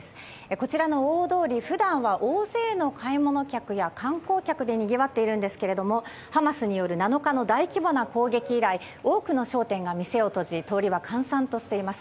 こちらの大通り普段は大勢の買い物客や観光客でにぎわっているんですけれどもハマスによる７日の大規模な攻撃以来多くの商店が店を閉じ通りは閑散としています。